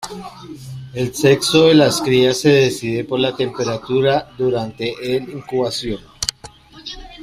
El sexo de las crías se decide por la temperatura durante el incubación.